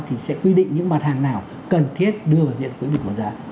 thì sẽ quy định những mặt hàng nào cần thiết đưa vào diện quy định một giá